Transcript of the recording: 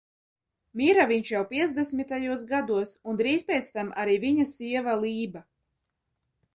Mira viņš jau piecdesmitajos gados un drīz pēc tam arī viņa sieva Lība.